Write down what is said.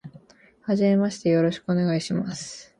はじめまして、よろしくお願いします。